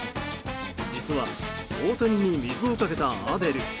実は大谷に水をかけたアデル。